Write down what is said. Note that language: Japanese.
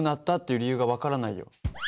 理由が分からないよ。